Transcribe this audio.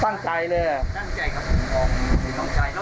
แล้วน้องชายก็ก็ตอนแรกผมคิดว่ามันก็อาจจะชนกัน